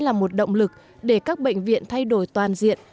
là một động lực để các bệnh viện thay đổi toàn diện